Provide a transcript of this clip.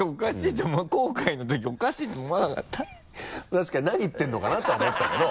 確かに何言ってるのかな？とは思ったけど。